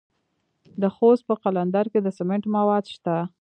د خوست په قلندر کې د سمنټو مواد شته.